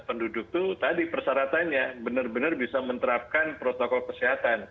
penduduk itu tadi persyaratannya benar benar bisa menerapkan protokol kesehatan